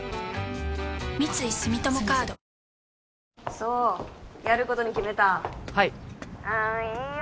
そうやることに決めたはいうんいいよ